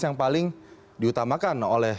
yang paling diutamakan oleh